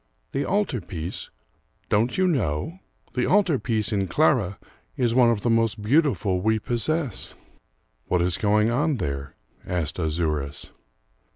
"The altar piece? Don't you know? The altar piece in Clara is one of the most beautiful we possess." "What is going on there?" asked Azouras.